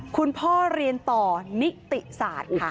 คุณพ่อเรียนต่อนิติศาสตร์ค่ะ